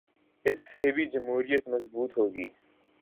اس سے بھی جمہوریت مضبوط ہو گی۔